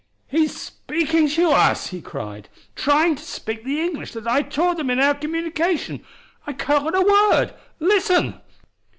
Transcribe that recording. "He's speaking to us!" he cried. "Trying to speak the English that I taught them in our communication! I caught a word listen...."